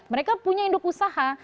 mereka punya indok usaha